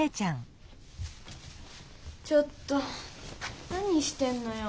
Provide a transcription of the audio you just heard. ちょっと何してんのよ？